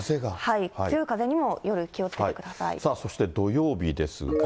強い風にも夜、お気をつけくさあそして土曜日ですが。